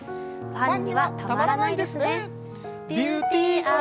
ファンにはたまらないですね。